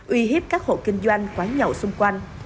uy hiếp các hộ kinh doanh quán nhậu xung quanh